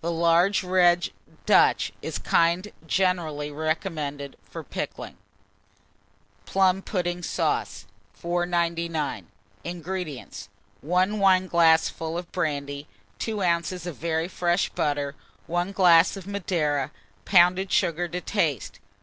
The large red Dutch is the kind generally recommended for pickling. PLUM PUDDING SAUCE. 499. INGREDIENTS. 1 wineglassful of brandy, 2 oz. of very fresh butter, 1 glass of Madeira, pounded sugar to taste.